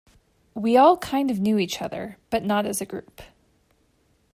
We all kind of knew each other, but not as a group.